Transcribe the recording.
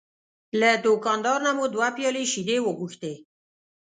له دوکاندار نه مو دوه پیالې شیدې وغوښتې.